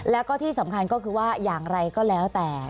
แล้วก็ที่สำคัญก็คือว่าอย่างไรก็แล้วแต่